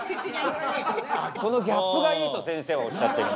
このギャップがいいとせんせいはおっしゃってる。